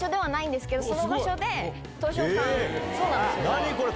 何これ！